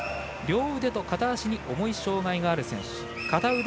両腕と片足に重い障がいがある選手。